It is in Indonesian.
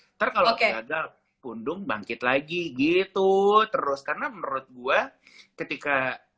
ntar kalau gagal pundung bangkit lagi gitu terus karena menurut gua ketika